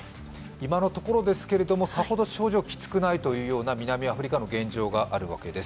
今のところですけれども、さほど症状はきつくないというような南アフリカの現状があるわけです。